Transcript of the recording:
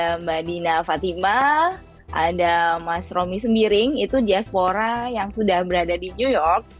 ada mbak dina fatima ada mas romi sembiring itu diaspora yang sudah berada di new york